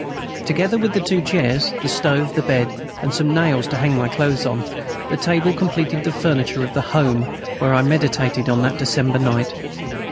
Together with the two chairs, the stove, the bed, and some nails to hang my clothes on, that table completed the furniture of the "home" where I meditated on that December night.